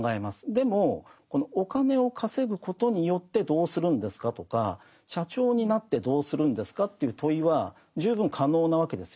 でもお金を稼ぐことによってどうするんですか？とか社長になってどうするんですか？という問いは十分可能なわけですよね。